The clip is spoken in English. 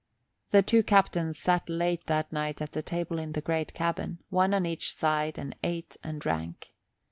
The two captains sat late that night at the table in the great cabin, one on each side, and ate and drank.